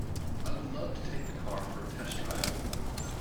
I would love to take the car for a test drive.